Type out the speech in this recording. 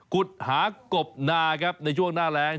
ขุดหากบนาครับในช่วงหน้าแรง